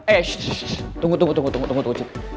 eh shhh tunggu tunggu tunggu